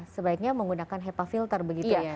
sebaiknya menggunakan hepa filter begitu ya